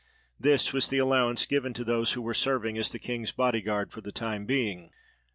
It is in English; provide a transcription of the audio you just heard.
This was the allowance given to those who were serving as the king's body guard for the time being.